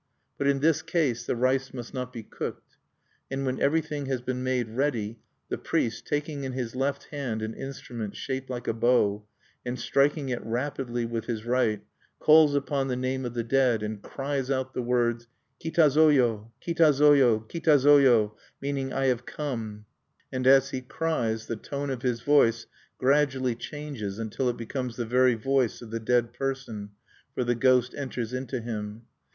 But, in this case, the rice must not be cooked. And when everything has been made ready, the priest, taking in his left hand an instrument shaped like a bow, and striking it rapidly with his right, calls upon the name of the dead, and cries out the words, Kitazo yo! kitazo yo! kitazo yo! meaning, "I have come(1)." And, as he cries, the tone of his voice gradually changes until it becomes the very voice of the dead person, for the ghost enters into him.